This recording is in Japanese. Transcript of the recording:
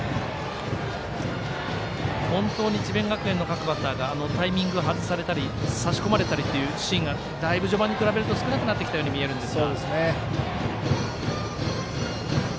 本当に智弁学園の各バッターがタイミング外されたり差し込まれたりというシーンがだいぶ、序盤に比べると少なくなってきたように見えます。